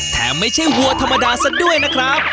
ไม่ใช่วัวธรรมดาซะด้วยนะครับ